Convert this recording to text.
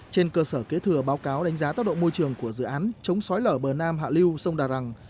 trên cơ sở kế thừa báo cáo đánh giá tác động môi trường của dự án chống xói lở bờ nam hạ lưu sông đà răng